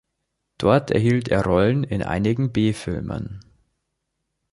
Dort erhielt er Rollen in einigen B-Filmen.